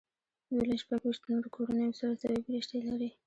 دوی له شپږ ویشت نورو کورنیو سره سببي رشتې لري.